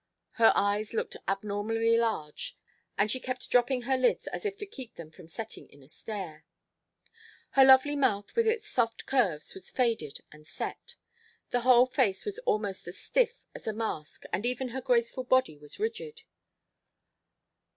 Her eyes looked abnormally large, and she kept dropping her lids as if to keep them from setting in a stare. Her lovely mouth with its soft curves was faded and set. The whole face was almost as stiff as a mask, and even her graceful body was rigid.